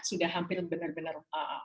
sudah hampir benar benar